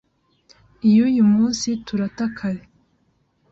iyuyu munsi turata kare